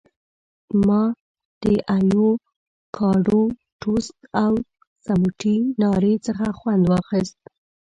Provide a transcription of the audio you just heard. ما د ایوکاډو ټوسټ او سموټي ناري څخه خوند واخیست.